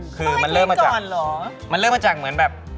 คือมันเริ่มมาจากเหมือนแบบ